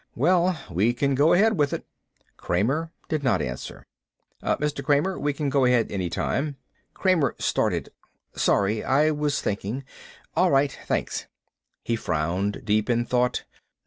"Well, we can go ahead with it." Kramer did not answer. "Mr. Kramer, we can go ahead any time." Kramer started. "Sorry. I was thinking. All right, thanks." He frowned, deep in thought.